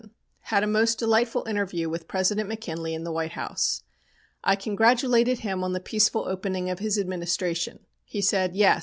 Had a most delightful interview with President McKinley in the White House. "I congratulated him on the peaceful opening of his administration. He said: "'Yes!